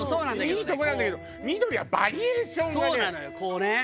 いいとこなんだけど緑はバリエーションがねすごいのよ。